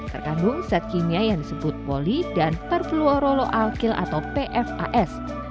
terkandung set kimia yang disebut poli dan perpluoroloalkil atau pfas